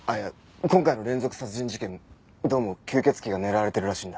今回の連続殺人事件どうも吸血鬼が狙われてるらしいんだ。